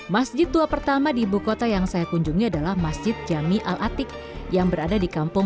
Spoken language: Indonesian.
masjid tua pertama di ibu kota yang saya kunjungi adalah masjid jami al atik yang berada di kampung